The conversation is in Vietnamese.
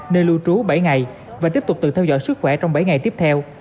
nơi lưu trú bảy ngày và tiếp tục tự theo dõi sức khỏe trong bảy ngày tiếp theo